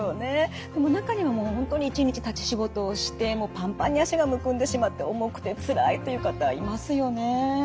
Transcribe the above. でも中にはもう本当に一日立ち仕事をしてもうパンパンに脚がむくんでしまって重くてつらいという方いますよね。